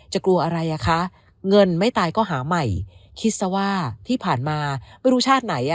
กลัวอะไรอ่ะคะเงินไม่ตายก็หาใหม่คิดซะว่าที่ผ่านมาไม่รู้ชาติไหนอ่ะ